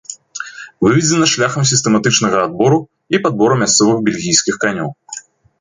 Выведзена шляхам сістэматычнага адбору і падбору мясцовых бельгійскіх канёў.